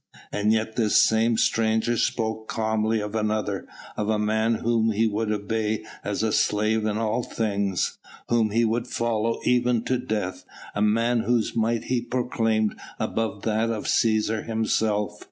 And yet this same stranger spoke calmly of another, of a man whom he would obey as a slave in all things, whom he would follow even to death; a man whose might he proclaimed above that of Cæsar himself.